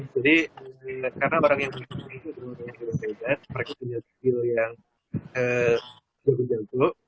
jadi karena orang yang mengingat literatur itu dengan cara yang beda mereka punya skill yang jauh jauh